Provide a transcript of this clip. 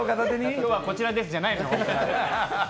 今日はこちらですじゃないのよ。